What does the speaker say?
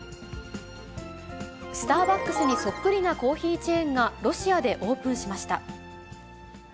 スターバックスにそっくりなコーヒーチェーンがロシアでオープンしました。